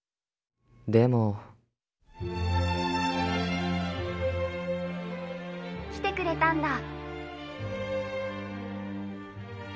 でも来てくれたんだ。